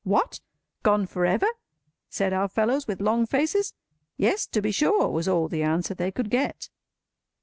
"What? Gone for ever?" said our fellows, with long faces. "Yes, to be sure," was all the answer they could get.